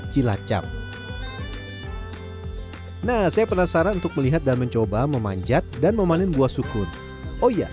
cilacap nah saya penasaran untuk melihat dan mencoba memanjat dan memanen buah sukun oh iya